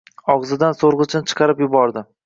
Og‘zidan so‘rg‘ichni chiqarib yubordi.